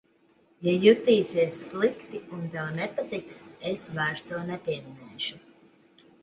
Ja jutīsies slikti un tev nepatiks, es vairs to nepieminēšu.